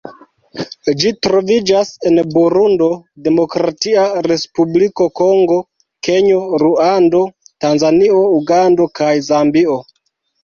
Ĝi troviĝas en Burundo, Demokratia Respubliko Kongo, Kenjo, Ruando, Tanzanio, Ugando kaj Zambio.